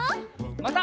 また。